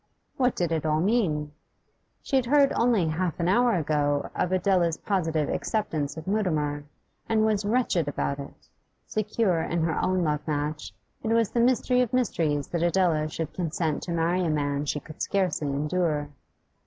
What did it all mean? She had heard only half an hour ago of Adela's positive acceptance of Mutimer, and was wretched about it; secure in her own love match, it was the mystery of mysteries that Adela should consent to marry a man she could scarcely endure.